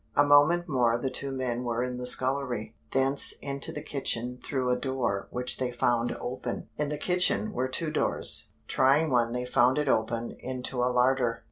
A moment more the two men were in the scullery, thence into the kitchen through a door which they found open; in the kitchen were two doors trying one they found it open into a larder.